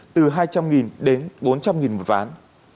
từ hai trăm linh đến bốn trăm linh ván